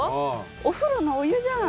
お風呂のお湯じゃん。